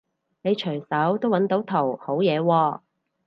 你隨手都搵到圖好嘢喎